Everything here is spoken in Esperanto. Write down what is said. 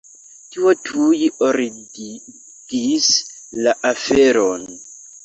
Tio tuj ordigis la aferon.